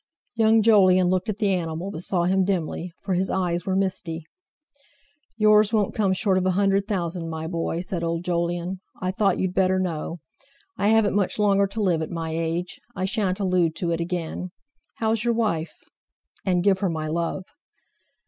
Young Jolyon looked at the animal, but saw him dimly, for his eyes were misty. "Yours won't come short of a hundred thousand, my boy," said old Jolyon; "I thought you'd better know. I haven't much longer to live at my age. I shan't allude to it again. How's your wife? And—give her my love."